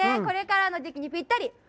これからの時期にぴったり！